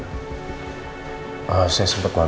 kamu sebelum ke rumah sakit ada mampir kemana gak